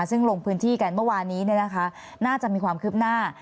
ซึ่งลงพื้นที่กันเมื่อวานนี้น่าจะมีความคืบหน้า